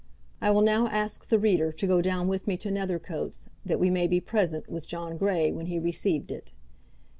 I will now ask the reader to go down with me to Nethercoats that we may be present with John Grey when he received it.